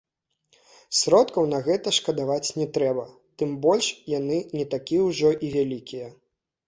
Сродкаў на гэта шкадаваць не трэба, тым больш яны не такія ўжо і вялікія.